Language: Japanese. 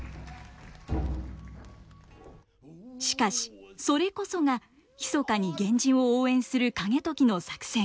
しかしそれこそが密かに源氏を応援する景時の作戦。